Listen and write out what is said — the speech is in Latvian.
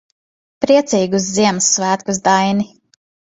Priecīgus Ziemassvētkus, Daini.